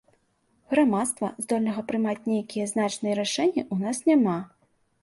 Грамадства, здольнага прымаць нейкія значныя рашэнні ў нас няма.